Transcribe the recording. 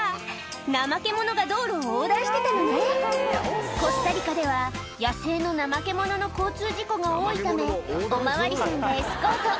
ナマケモノが道路を横断してたのねコスタリカでは野生のナマケモノの交通事故が多いためお巡りさんがエスコート